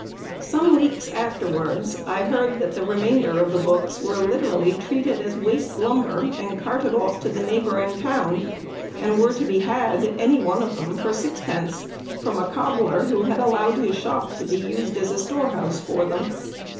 "Some weeks afterwards I heard that the remainder of the books were literally treated as waste lumber, and carted off to the neighbouring town, and were to be had, any one of them, for sixpence, from a cobbler who had allowed his shop to be used as a store house for them.